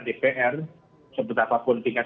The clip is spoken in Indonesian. dpr sebetulnya apapun tingkat